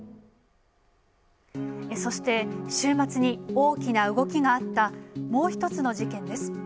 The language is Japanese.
そして、週末に大きな動きがあったもう一つの事件です。